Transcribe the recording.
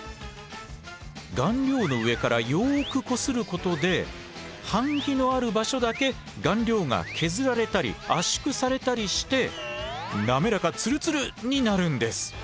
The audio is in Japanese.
顔料の上からよくこすることで版木のある場所だけ顔料が削られたり圧縮されたりして滑らかツルツル！になるんです。